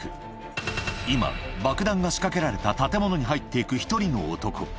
今爆弾が仕掛けられた建物に入って行く１人の男